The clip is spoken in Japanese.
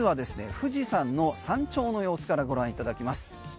富士山の山頂の様子からご覧いただきます。